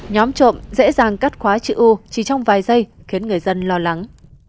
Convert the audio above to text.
nhóm trộm dễ dàng cắt khóa chữ u chỉ trong vài giây khiến người dân lo lắng